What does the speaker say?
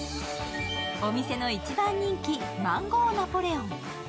お店の一番人気、マンゴー・ナポレオン。